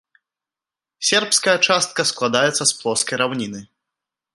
Сербская частка складаецца з плоскай раўніны.